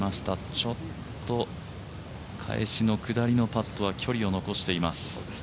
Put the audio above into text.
ちょっと返しの下りのパットは距離を残しています。